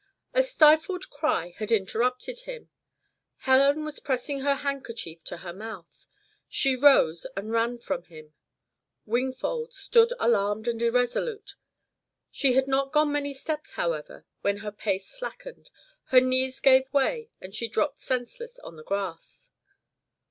A stifled cry had interrupted him. Helen was pressing her handkerchief to her mouth. She rose and ran from him. Wingfold stood alarmed and irresolute. She had not gone many steps, however, when her pace slackened, her knees gave way, and she dropped senseless on the grass.